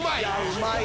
うまい！